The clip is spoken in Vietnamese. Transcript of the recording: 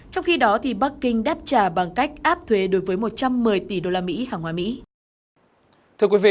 trong khi đó bắc kinh đáp trả bằng cách áp thuế đối với một trăm một mươi tỷ usd hàng hóa mỹ